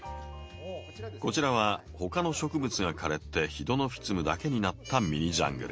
こちらは他の植物が枯れてヒドノフィツムだけになったミニジャングル。